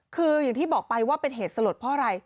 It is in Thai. คืออย่างที่บอกไปว่าเป็นเหตุสลดเพราะอะไร